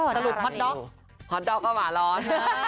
สรุปฮอตด๊อกฮอตด๊อกก็หมาร้อน